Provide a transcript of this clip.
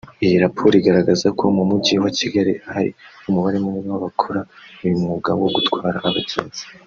Iyi raporo igaragaza ko mu Mujyi wa Kigali ahari umubare munini w’abakora uyu mwuga wo gutwara abagenzi